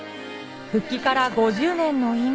復帰から５０年の今